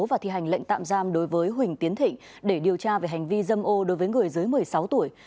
và thi hành lệnh tạm giam đối với huỳnh tiến thịnh để điều tra về hành vi dâm ô đối với người dưới một mươi sáu tuổi